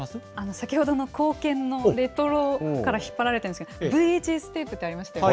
先ほどの硬券のレトロから引っ張られて、私、ＶＨＳテープってありましたよね。